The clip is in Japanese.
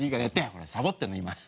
ほらサボってるの今。